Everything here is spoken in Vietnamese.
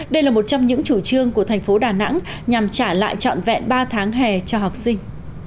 đây là một trong những chủ trương của thành phố đà nẵng nhằm trả lại trọn vẹn ba tháng hè cho học sinh